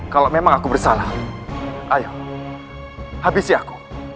kalau memang aku bersalah ayo habisi aku